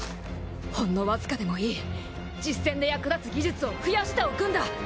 ほんのわずかでもいい実戦で役立つ技術を増やしておくんだ。